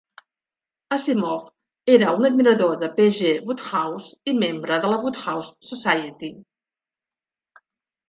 Asimov era un admirador de P. G. Wodehouse i membre de la Wodehouse Society.